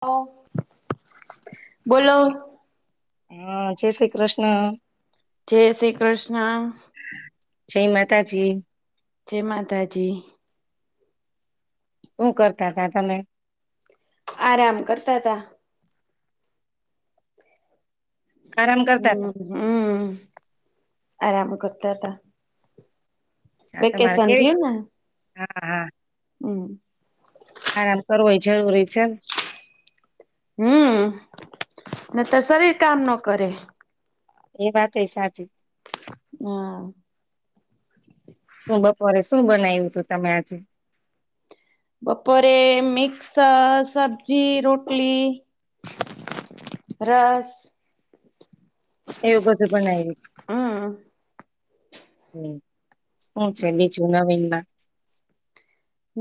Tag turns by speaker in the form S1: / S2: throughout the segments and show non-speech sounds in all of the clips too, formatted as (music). S1: Hello બોલો.
S2: હા જય શ્રી કૃષ્ણ
S1: જય શ્રી કૃષ્ણ.
S2: જય માતાજી.
S1: જય માતાજી.
S2: હું કરતા તા તમે?
S1: આરામ કરતા તા.
S2: આરામ કરતા હતા
S1: હમ્મ, હમ્મ આરામ કરતા તા. વેકેશન ગયુંને
S2: હાં, હાં.
S1: હમ્મ.
S2: આરામ કરવો હોય જરૂરી છેન.
S1: હમ્મ, નતર શરીર કામ ન કરે.
S2: એ વાત એય સાચી.
S1: હમ્મ.
S2: શું બપોરે શું બનાવ્યું તું તમે આજે?
S1: બપોરે મિક્સ સ સબજી, રોટલી, રસ-
S2: એવું બધું બનાયવુ.
S1: હમ
S2: હમ્મ. હુ છે બીજું નવીનમાં?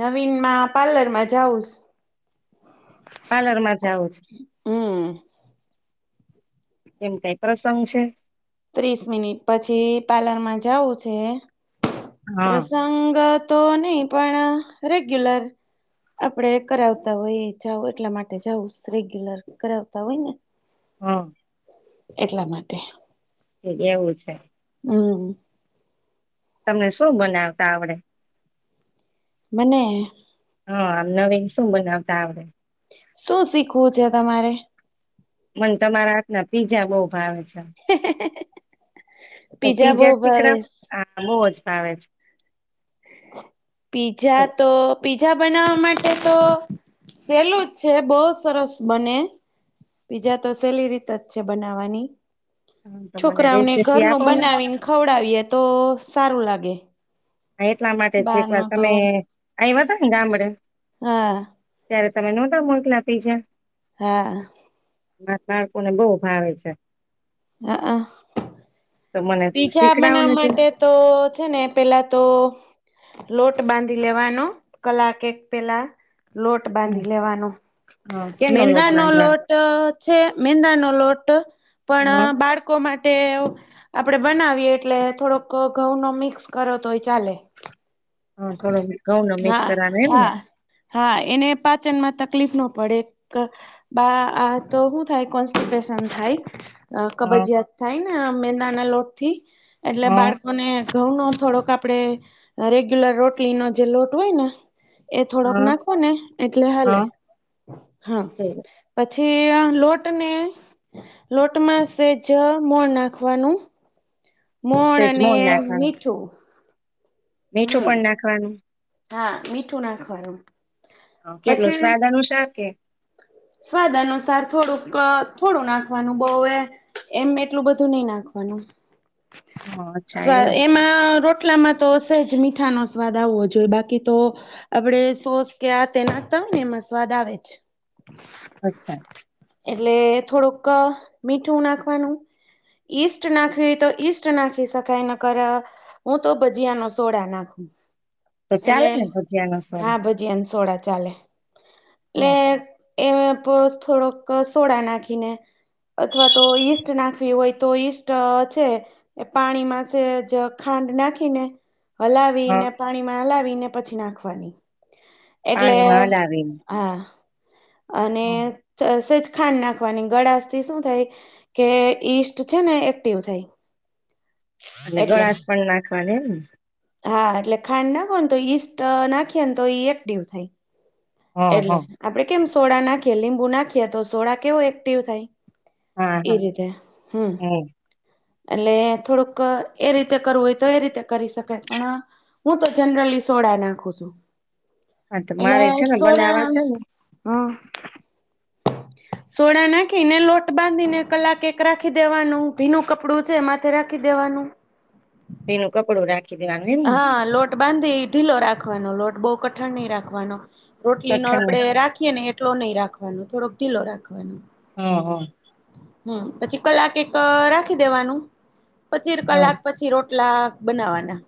S1: નવીનમાં પાર્લર માં જાઉસ.
S2: પાર્લર માં જા‌વું છું.
S1: હમ
S2: એમ કઈ પ્રસંગ છે?
S1: ત્રીસ મિનિટ પછી પાર્લરમાં જાવું છે.
S2: હા
S1: પ્રસંગત તો નહી પણ રેગ્યુલર આપડે કરાવતાં હોય એ, જાવું એટલા માટે જાવુંશ રેગ્યુલર કરાવતા હોય ને
S2: હા.
S1: એટલા માટે.
S2: (inaudible) એવું છે.
S1: હમ્મ.
S2: તમને શું બનાવતા આવડે?
S1: મને
S2: હા આમ નવીન શું બનાવતા આવડે?
S1: શું શીખવું છે તમારે?
S2: મને તમારા હાથના પીજા બઉ ભાવે. તો
S1: પીઝા બહુ
S2: પીજા
S1: ભાવે
S2: શીકડાવ, આ બોવજ ભાવે છે.
S1: પીઝા તો પીઝા બનાવવા માટે તો સહેલું જ છે, બહુ સરસ બને, પીઝા તો સહેલી રીતે જ છે બનાવાની.
S2: આમ તો મને
S1: છોકરાઓને
S2: રેસીપી
S1: ઘરનું
S2: આપો ને
S1: બનાવીને ખવડાવીએ તો સારું લાગે.
S2: હા એટલા માટે છે એક વાર
S1: બારનું તો
S2: તમે આવ્યા તા ને ગામડે
S1: હા.
S2: ત્યારે તમે નહોતા મોકલા પીઝા
S1: હા.
S2: માર બાળકોને બહુ ભાવે છે.
S1: અહહ
S2: તો મને
S1: પીજા
S2: શીખડાવો ને
S1: બનાવવા માટે તો છે ને પેલા તો લોટ બાંધી લેવાનો કલાક એક પેલા. લોટ
S2: જરા
S1: બાંધી લેવાનું,
S2: હા કેનો લોટ
S1: મેંદા નો
S2: બાંધવાનો
S1: લોટ છે મેંદા નો લોટ પણ
S2: હા
S1: બાળકો મા તે આપડે બનાવીએ એટલે થોડોક ઘ ઘઉં નો મિક્સ કરો તોય ચાલે.
S2: હા થોડો ઘઉંનો મિક્સ
S1: હા,
S2: કરવાનો એમ ને
S1: હા, હા એને પાચનમાં તકલીફ નો પડે. ક બા આ તો શું થાય કોન્સ્ટીપેસન થાય. અહ
S2: હા
S1: કબિજયાત થાય ને આ મેદાના લોટ થી એટલે
S2: હા
S1: બાળકો ને ઘઉ નો થોડોક આપડે રે રેગ્યુલર રોટલી નો જે લોટ હોય ને? એ થોડોક
S2: હા
S1: નાખો ને એટલે હાલે
S2: હા
S1: હા પ પછી લોટને લોટમાં સેજ મોણ નાખવાનું. મોણ
S2: સેજ
S1: અને
S2: નાખવાનું
S1: મીઠું.
S2: મીઠું
S1: હમ
S2: પણ નાખવાનું.
S1: હા મીઠું નાખવાનું.
S2: હ કેટલુ
S1: પછી
S2: સ્વાદ અનુસાર કે?
S1: સ્વાદ અનુસાર થોડુંક થોડું નાખવાનું બહુ એ એમ એટલું બધું નહી નાખવાનું.
S2: હા અચ્છા
S1: સ્વાદ
S2: એવું
S1: એમાં રો રોટલામાં તો સહેજ મીઠાનો સ્વાદ આવવો જોઈએ, બાકી તો આપડે સોસ કે આ તે નાખતા હોય ને એમાં સ્વાદ આવે જ.
S2: અચ્છા.
S1: એટલે થોડુંક મીઠું નાખવાનું, ઈસ્ટ નાખવી હોય તો ઈસ્ટ નાખી શકાય, ન કર હું તો ભજીયા ન સોડા નાખું.
S2: તો ચાલે
S1: એટલે
S2: ને ભજીયાનો સોડા
S1: હાં ભજીયા એન સોડા ચાલે એટલે.
S2: હા
S1: એ પ થોડોક સોડા નાખીને અથવા તો ઈસ્ટ નાખવી હોય તો ઈસ્ટ છે, એ પાણીમાં સેજ ખાંડ નાખીને હલાવી
S2: હા,
S1: ને પાણી માં હલાવીન ને પછી નાખવાની. એટલે,
S2: પાણીમાં હલાવીને
S1: હા. અને
S2: હા
S1: (unintelligible) શેજ ખાંડ નાખવાની, ગળાશ થી શું થાય કે ઈસ્ટ છે ને એક્ટિવ થાય.
S2: અને ગળાશ પણ નાખવાની એમ?
S1: હાં એટલે ખાંડ નાખો ને તો ઈસ્ટ નાખીએ ને તો ઈ એક્ટિવ થાય.
S2: હા
S1: એટલે,
S2: હા
S1: આપણે કેમ સોડા નાખીએ, લીંબુ નાખીએ, તો સોડા કેવો એક્ટિવ થાય.
S2: હા
S1: એ
S2: હા
S1: રીતે, હમ્મ.
S2: હમ
S1: એટલે થોડુંક એ રીતે કરવું હોય તો એ રીતે કરી શકાય, પણ હું તો જનરલી સોડા નાખું છું.
S2: હા તો
S1: એટલે
S2: મારે છે ને
S1: સોડા
S2: બનેવા છે ને
S1: હા સોડા નાખીને, લોટ બાંધીને, કલાક એક રાખી દેવાનું ભીનું કપ કપડું છે એમાંથે રાખી દેવાનું.
S2: ભીનું કપડું રાખ
S1: હા લોટ બાંધી ઢીલો રાખવાનો લોટ. બહુ કઠણ નહી રાખવાનો. રોટલી નો
S2: કઠણ ને
S1: આપડે રાખીએ ને એટલો નહી રાખવાનો, થોડોક ઢીલો રાખ
S2: હા હ.
S1: હમ્મ, પછી કલાક એક રાખી દેવાનું. પચીર
S2: હા
S1: કલાક પછી રો ટલા બનાવાના.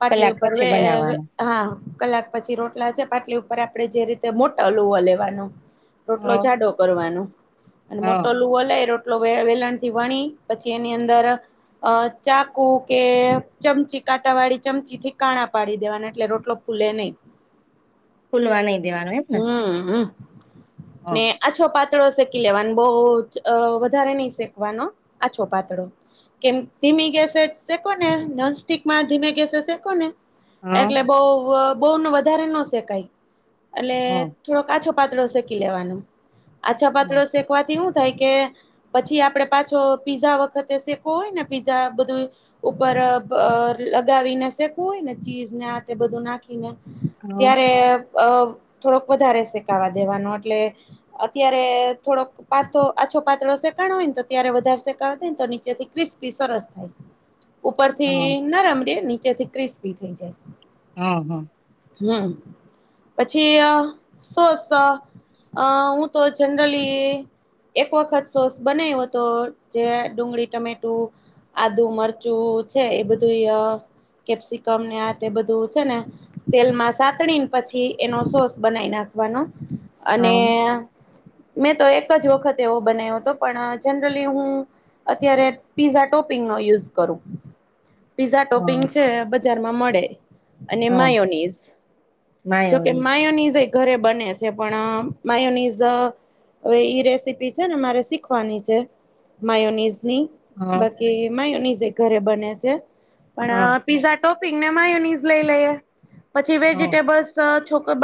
S1: પાટલી
S2: કલાક
S1: ઉપર,
S2: પછી
S1: વે વે
S2: બનાવવાના
S1: હા. કલાક પછી રોટલા છે, પાટલી ઉપર આપડે જે રીતે મોટા લુવા લેવાનું. રોટલો
S2: હા
S1: જાડો કરવાનો. અને
S2: હા
S1: મોટો લુવો લે રો (inaudible) વેલણ થી વણી પછી એની અંદર અ ચાકુ કે ચમચી કાંટા વાળી ચમચી થી કાણા પાડી દેવાના એટલે રોટલો ફૂલે નહી.
S2: ફુલવા નહી દેવાનું એમને.
S1: હમ હમ ને આછો પાત પાતળો શેકી લેવાનો બવ અ વધારે નહી શેકવાનો આછો પાતળો કેમ ધીમી ગેસે શેકો ને ઠીકમાં ધીમે ગેસે શેકોને
S2: હા
S1: એટલે બવ અ બહુને વધારે ન શેકાય. એટલે
S2: હા
S1: થોડોક આછો પાતળો શેકી લેવાનું. આછા
S2: હા
S1: પાતળો શેકવાથી હું થાય કે પછી આપડે પાછો પીઝા વખતે શેકવું હોય ને પીઝા બધું ઉપર. લગાવીને શેકવું હોય ને ચીઝને આ તે બધું નાખીને
S2: હા
S1: ત્યારે અ થોડોક વધારે શેકાવા દેવાનો એટલે અત્યારે થોડોક પાથો આછો પાતળો શેકાણો હોય ને તો ત્યારે વધારે શેકાવા દે ને તો નીચેથી ક્રિસ્પી સરસ થાય ઉપ તે
S2: હા
S1: ના (inaudible) ની જેથી ક્રિસ્પી થઈ જાય
S2: હ હ.
S1: હમ્મા પછી સોસ અ હું તો જનરલી એક વખત સોસ બનાવ્યો હતો જે ડુંગળી ટમેટું આદુ મરચું છે એ બધું કેપ્સિકમ ને આ તે બધું છે ને તેલમાં સાતડીને પછી એનો સોસ બનાવી નાખવાનો અને
S2: હા
S1: મેં તો એક જ વખતે એવો બનાવ્યો હતો પણ જનરલી હું અત્યારે પીઝા ટોપિંગનોો યુઝ કરું પીઝા ટોપિંગ છે. બજાર માં મળે. અને
S2: હા
S1: માયોનીઝ જોકે
S2: માયોની
S1: માયોનીઝ ઘરે બને છે પણ માયોનઝ હવે એ રેસીપી છે ને મારે શીખવાની છે માયોનિઝ ની
S2: હા
S1: બાકી માયો ઘરે બને જે પણ
S2: હા
S1: અ પિઝ ટોપિક ને માયુની જ લઈ લઈએ. પછી
S2: હા
S1: વેજીિટેબલ્સ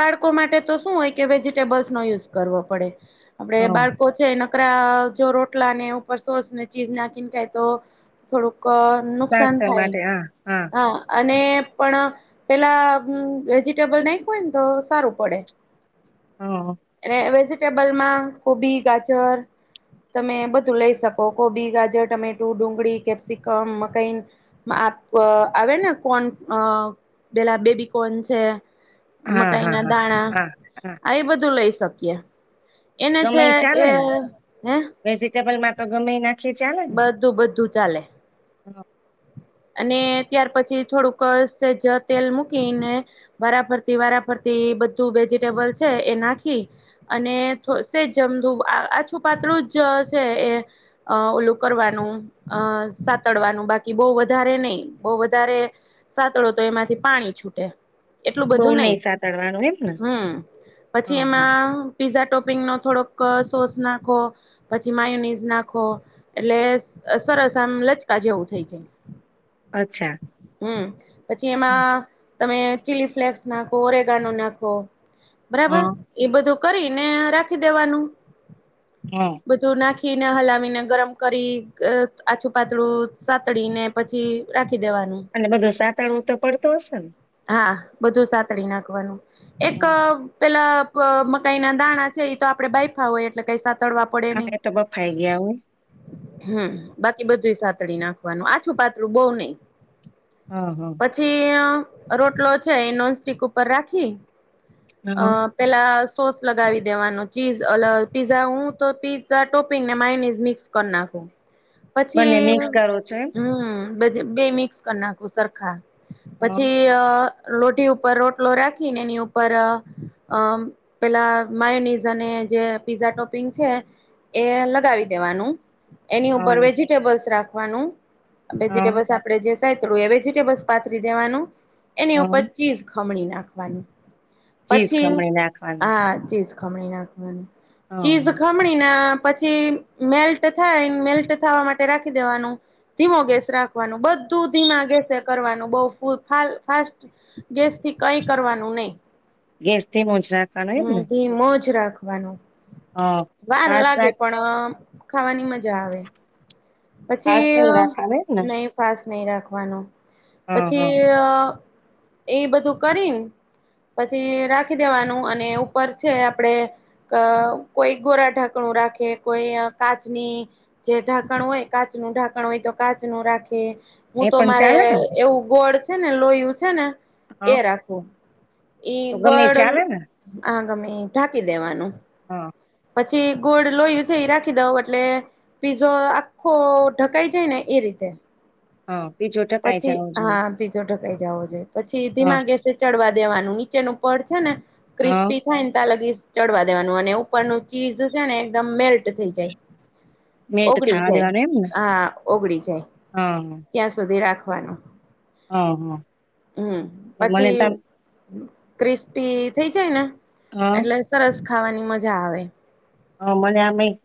S1: બાળકો માટે તો શું હોય કે વેજીટેબલ્સનો યુઝ કરવો પડે. આપડે
S2: હા.
S1: બાળકો છે. રા જો રોટલા ને ઉપર સોસ ને ચીજ નાખીને ખાય તો થોડુંક ક નુ
S2: સ્વાસ્થ્ય માટે હ હા
S1: અને પણ પેલા વેજીટેબલ નાયખૂ હોય ને તો સારું પડે.
S2: હા
S1: એ વેજ ટેબલમાં કોબી, ગાજર તમે બધું લઈ શકો કોબી ગાજર, ટમેટું, ડુંગળી, કેપ્સિકમ મકાઈન આપ આવે ને કોન પેલા બેબી કોન છે.
S2: હા
S1: મકાઈ
S2: હા
S1: ના
S2: હા
S1: દાણા
S2: હા હા
S1: આયે બધું લઈ શક્ય. એને
S2: ગમે
S1: જે એ હે
S2: ટેબલ માં તો ગમે યે
S1: બધું બધું ચાલે.
S2: હા.
S1: અને ત્યાર પછી થોડુંક સેજ તેલ મૂકીને વારાફરતી વારાફરતી બધું વેજીિટેબલ છે એ નાખી અને સેજ જમધું આછું પાતળું જ છે, એ એ ઓલું કરવાનું અ સાતડવાનું બાકી બવ વધારે નહી બો વધારે સાતડો તો એમાંથી પાણી છૂટે. એટલું
S2: બહુ
S1: બધું નઈ
S2: નહી સાતડવાનું એમ ને
S1: હમ પછી
S2: હા હા
S1: એમાં પીઝા ટોપ વિંગ્સ નો થોડોક સોસ નાખો પછી માયુનીઝ નાખો એટલે સરસ આમ લચકા જેવું થઈ જાય.
S2: અચ્છા
S1: હમ્મ. પછી એમાં તમે ચીલી ફ્લેક્સ નાખો, ઓરેગાનો નાખો. બરાબર
S2: હા
S1: એ બધું. કરીને રાખી દેવાનું.
S2: હા
S1: બધું નાખી. નાખીને હલાવીને ગરમ કરી અ આછું પાતળું સાતળીને પછી રાખી દેવાનું
S2: અને બધું સાતડું તો પડતું હશે ને?
S1: હા બધું સાતળી નાખવાનું. એક
S2: હા
S1: પેલા મકાઈ ના દાણા છે એ તો આપણે બાયફા હોય એટલે કઈ તડવા પડે
S2: હા
S1: નય
S2: એ તો બફાઈ ગયા હું
S1: હમ બાકી બધું સાથે. નાખવાનું આછું પાત્રું બહુ નય.
S2: હા હા
S1: પછી અ રોટલો છે એ નોન સ્ટીક ઉપર રાખી
S2: હા
S1: અ પેલા સોસ લગાવી દેવાનું ચીઝ અલ પીઝા હું તો પીઝા ટોપીંગને મેયોનિસ મિક્સ કરી નાખું.
S2: બંને
S1: પછી
S2: મિક્સ કરો છો એમ
S1: હમ્મ બે મિક્સ કર નાખું સરખા.
S2: હા
S1: પછી અ લોઢી ઉપર રોટલો રાખીને એની ઉપર અ પેલા માયોનીઝ અને જે પીઝા ટોપિંગ છે એ લગાવી દેવાનું. એની ઉપર
S2: હા
S1: વેજીિટેબલ્સ રાખ વાનું.
S2: હા
S1: વેજિટેબલ્ આપણે જે સાતડું એ વેજીિટેબલ્સ પાથરી દેવાનું. એની ઉપર
S2: હા.
S1: ચીઝ ખ ખમણી નાખવાની.
S2: ચીઝ
S1: પછી
S2: ખમણી નાખવાની
S1: હા ચીજ ખામણી નાખ
S2: હા
S1: ચીજખામણી ના પછી મેલ્ટ થાય મેલ્ટ થવા માટે રાખી દેવાનું ધીમો ગેસ રાખ બધું ધીમા ગેસે કરવાનું બ ફાસ્ટ ગેસથી કઈ કરવાનું નહી.
S2: ગેસ મોજ.
S1: હ ધી મોજ રાખ. ખવાનું.
S2: હા
S1: વાર
S2: ફાસ
S1: લાગે
S2: રાખ
S1: પણ ખાવાની મજા આવે.
S2: ફાસ
S1: પછી
S2: નહી
S1: અ
S2: રાખવાનો એમ ને
S1: નહી ફાસ નહી રાખ. વાનું
S2: હા હા
S1: પછી અ એય બધું કરીન, પછી રાખી દેવાનું અને ઉપર છે, આપડે ક કોઈ ગોરા ઢાંકણું રાખે, કોઈઅ કાચની જે ઢાંકણ હોય કાચનું ઢાંકણ હોય તો કાચનું રાખે
S2: એ
S1: હું તો
S2: પણ
S1: મારે
S2: ચાલે
S1: એ
S2: ને
S1: એવું ગોડ છે ને લોયુ છે ને.
S2: હા
S1: એ રાખો. ઈ
S2: તો ગમે
S1: ગોડલ
S2: ચાલે ને
S1: આહ ગમ્મે ઈ ઢાકી દેવાનું.
S2: હા
S1: પદ છી ગોડ લોહી છે ઈ રાખી દઉ, અટલે પીઝો આ ખો ઢકાઈ જાય ને એ રીતે.
S2: હા. બીજું ટકાઈ
S1: પછી
S2: જવું જોઈએ
S1: હા, પીજો ઢકાઈ જાવો જોએ. પછી
S2: હા
S1: ધીમા ગેસે ચડવા દેવાનું નીચેનું પડ છે ને
S2: હા
S1: ક્રિસ્પી થાયન તા લગીઝ ચડવા દેવાનું અને ઉપરનું ચીઝ છે ને એકદમ મેલ્ટ થઈ જાય.
S2: મેટ
S1: ઓગળી
S2: છાણા
S1: જાય.
S2: દેવાનું એમ ને
S1: આહા, ઓગળી જાય.
S2: હા
S1: ત્યાં સુધી રાખ થવાનું
S2: હહ.
S1: હમ. પછી હમ. ક્રિસ્પી થઈ જાય ને એટલે સરસ ખાવાની મજા આવે.
S2: હ. મને આમેય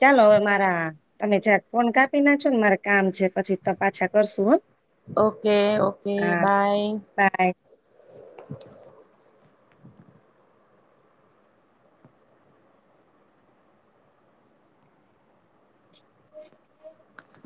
S2: ચાલો, હવે મારા તમે જ્યાં ફોન કાપી ના છો ન મારે કામ છે. પછી તો પાછા કરશું હો?
S1: Okay okay bye.
S2: બાય
S1: (inaudible)
S2: હ